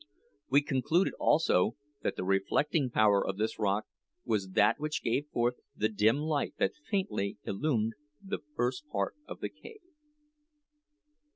We concluded, also, that the reflecting power of this rock was that which gave forth the dim light that faintly illumined the first part of the cave.